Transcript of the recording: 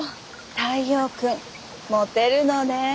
太陽君モテるのね。